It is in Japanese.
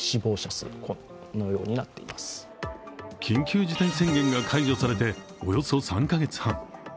緊急事態宣言が解除されておよそ３カ月半。